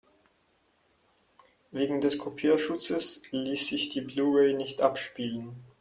Wegen des Kopierschutzes ließ sich die Blu-ray nicht abspielen.